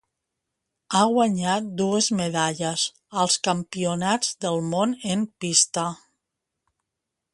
Ha guanyat dues medalles als Campionats del món en pista.